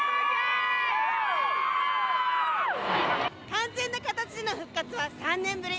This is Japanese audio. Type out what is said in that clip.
完全な形での復活は３年ぶり。